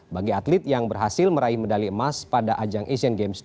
bagi atlet yang berhasil meraih medali emas pada ajang asian games dua ribu